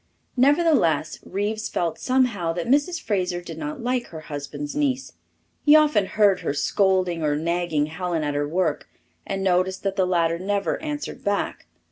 Nevertheless, Reeves felt somehow that Mrs. Fraser did not like her husband's niece. He often heard her scolding or nagging Helen at her work, and noticed that the latter never answered back.